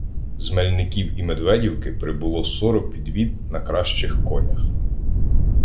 З Мельників і Медведівки прибуло сорок підвід на кращих конях.